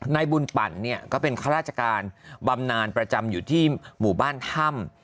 นายบุญปั่นเนี่ยก็เป็นข้าราชการบำนานประจำอยู่ที่หมู่บ้านถ้ำ